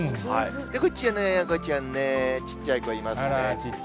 こっちはね、赤ちゃんね、ちっちゃい子いますね。